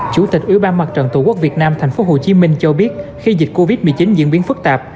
chủ tịch ủy ban mặt trận tổ quốc việt nam tp hcm cho biết khi dịch covid một mươi chín diễn biến phức tạp